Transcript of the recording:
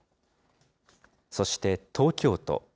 そして東京都。